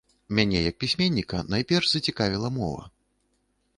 Мяне як пісьменніка найперш зацікавіла мова.